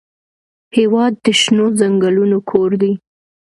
هېواد د شنو ځنګلونو کور دی.